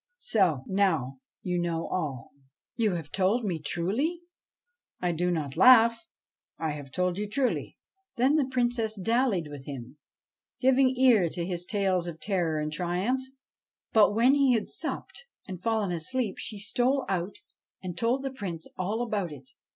So, now, you know all.' ' You have told me truly ?'' I do not laugh : I have told you truly.' Then the Princess dallied with him, giving ear to his tales of terror and triumph. But, when he had supped and fallen asleep, she stole out and told the Prince all about it.